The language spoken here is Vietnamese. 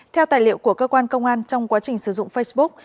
theo tài liệu của cơ quan công an trong quá trình sử dụng facebook